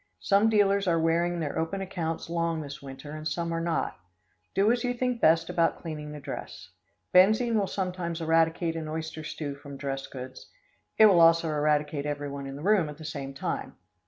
Some dealers are wearing their open accounts long this winter and some are not. Do as you think best about cleaning the dress. Benzine will sometimes eradicate an oyster stew from dress goods. It will also eradicate everyone in the room at the same time.